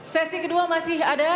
sesi kedua masih ada